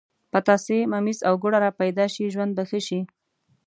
پتاسې، ممیز او ګوړه را پیدا شي ژوند به ښه شي.